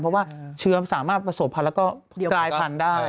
เพราะว่าเชื้อมันสามารถประสบพันธ์แล้วก็กลายพันธุ์ได้